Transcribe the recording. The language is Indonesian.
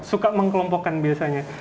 suka mengkelompokkan biasanya